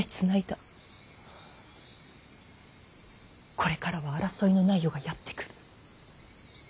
これからは争いのない世がやって来る。